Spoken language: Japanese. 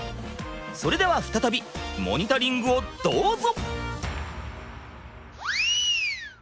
それでは再びモニタリングをどうぞ！